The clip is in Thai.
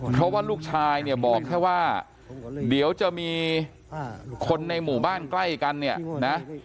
เพราะว่าลูกชายเนี่ยบอกแค่ว่าเดี๋ยวจะมีคนในหมู่บ้านใกล้กันเนี่ยนะ